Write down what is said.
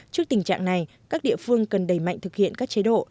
trước tình trạng này các địa phương cần đẩy mạnh thực hiện các chế độ